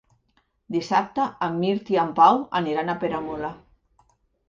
Dissabte en Mirt i en Pau aniran a Peramola.